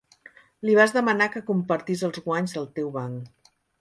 Li vas demanar que compartís els guanys del teu banc.